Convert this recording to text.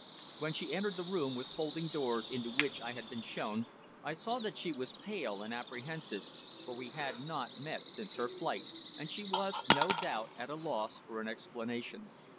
When she entered the room with folding doors into which I had been shown, I saw that she was pale and apprehensive, for we had not met since her flight, and she was, no doubt, at a loss for an explanation.